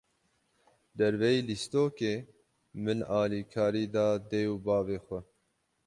Derveyî lîstokê, min alîkarî da dê û bavê xwe.